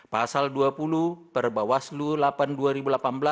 pasal dua puluh perbawah selu no delapan dua ribu delapan belas